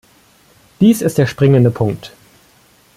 Dies ist der springende Punkt.